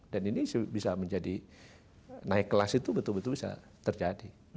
dan ini bisa menjadi naik kelas itu betul betul bisa terjadi